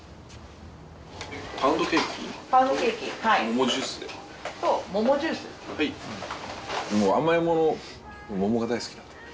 もう甘い物桃が大好きなんで。